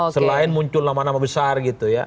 selain muncul nama nama besar gitu ya